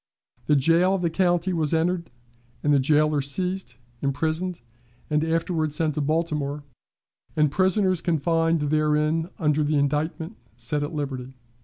The jail of the county was entered, the jailer seized, imprisoned, and afterward sent to Baltimore, and prisoners confined therein under indictment set at liberty.